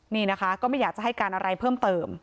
นี่นะคะก็ไม่อยากจะให้การอะไรเพิ่มเติม